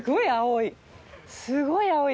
すごい青い。